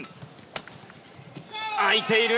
空いている！